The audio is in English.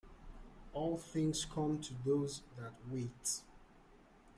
All things come to those that wait.